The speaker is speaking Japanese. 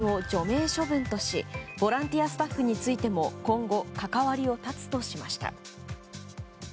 また、暴力行為をした会員を除名処分としボランティアスタッフについても今後、関わりを断つとしました。